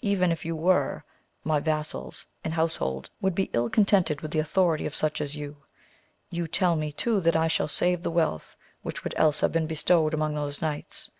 Even if you were, my vassals and household would be ill contented with the authority of such as you ! You tell me too that I shall save the wealth which would else have been bestowed among those knights.